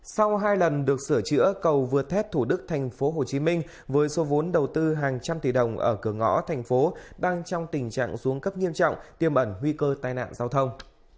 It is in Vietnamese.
sau hai lần được sửa chữa cầu vượt thép thủ đức tp hcm với số vốn đầu tư hàng trăm tỷ đồng ở cửa ngõ thành phố đang trong tình trạng xuống cấp nghiêm trọng tiêm ẩn nguy cơ tai nạn giao thông